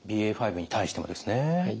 ＢＡ．５に対してもですね。